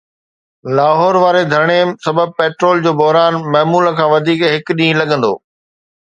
لاهور واري ڌرڻي سبب پيٽرول جو بحران معمول کان وڌيڪ هڪ ڏينهن لڳندو